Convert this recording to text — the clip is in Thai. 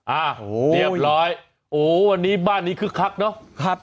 อ่ะเรียบร้อยโอ้วันนี้บ้านนี้คึกคักเนอะครับ